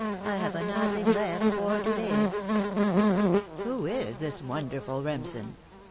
I hava nothing left for to live." "Who is this wonderful Remsen?